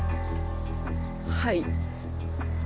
はい。